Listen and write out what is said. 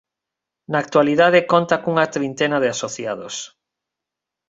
Na actualidade conta cunha trintena de asociados.